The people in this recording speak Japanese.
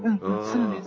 そうです